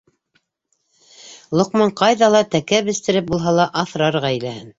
Лоҡман ҡайҙа ла, тәкә бестереп булһа ла аҫрар ғаиләһен.